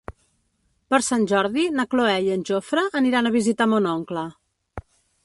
Per Sant Jordi na Cloè i en Jofre aniran a visitar mon oncle.